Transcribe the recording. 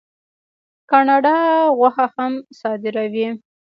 کاناډا غوښه هم صادروي.